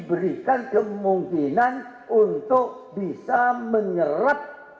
berikan kemungkinan untuk bisa menyerap